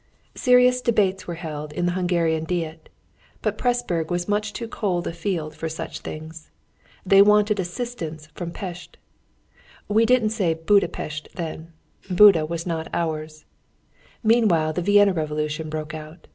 Serious debates were held in the Hungarian Diet. But Pressburg was much too cold a field for such things. They wanted assistance from Pest. We didn't say Buda Pest then, Buda was not ours.... Meanwhile the Vienna Revolution broke out.